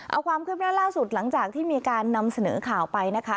เอาความคืบหน้าล่าสุดหลังจากที่มีการนำเสนอข่าวไปนะคะ